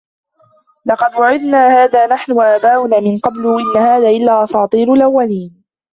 لَقَدْ وُعِدْنَا هَذَا نَحْنُ وَآبَاؤُنَا مِنْ قَبْلُ إِنْ هَذَا إِلَّا أَسَاطِيرُ الْأَوَّلِينَ